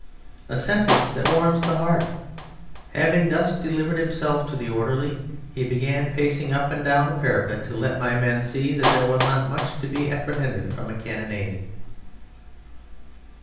A sentence that warms the heart. Having thus delivered himself to the orderly, he began pacing up and down the parapet "to let my men see that there was not much to be apprehended from a cannonade."